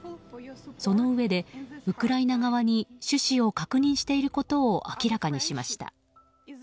そのうえで、ウクライナ側に趣旨を確認していることを明らかにしました。